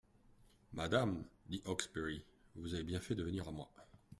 «Madame,» dit Hawksbury, «vous avez bien fait de venir à moi.